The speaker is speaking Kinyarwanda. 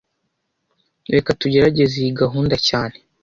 Reka tugerageze iyi gahunda cyane